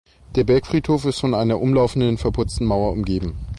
Der Bergfriedhof ist von einer umlaufenden verputzten Mauer umgeben.